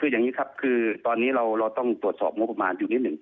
คืออย่างนี้ครับคือตอนนี้เราต้องตรวจสอบงบประมาณอยู่นิดหนึ่ง